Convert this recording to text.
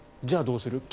じゃあどうする？